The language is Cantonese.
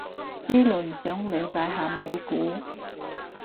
呢輪想了解下美股